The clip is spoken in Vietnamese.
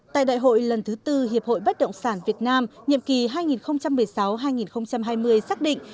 tại đại hội lần thứ tư hiệp hội bất động sản việt nam nhiệm kỳ hai nghìn một mươi sáu hai nghìn hai mươi xác định